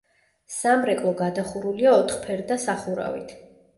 სამრეკლო გადახურულია ოთხფერდა სახურავით.